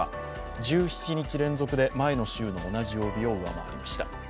１７日連続で前の週の同じ曜日を上回りました。